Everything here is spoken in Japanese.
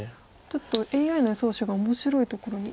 ちょっとＡＩの予想手が面白いところに。